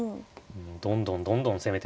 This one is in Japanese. どんどんどんどん攻めてますね。